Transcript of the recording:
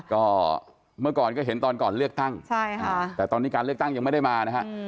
ก็เมื่อก่อนก็เห็นตอนก่อนเลือกตั้งแต่ตอนนี้การเลือกตั้งยังไม่ได้มานะฮะ